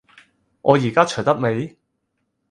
我依家除得未？